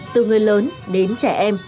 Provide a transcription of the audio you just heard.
từ người lớn đến trẻ em